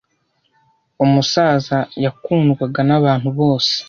Umusaza yakundwaga nabantu bose.